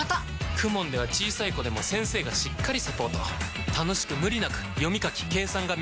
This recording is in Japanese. ＫＵＭＯＮ では小さい子でも先生がしっかりサポート楽しく無理なく読み書き計算が身につきます！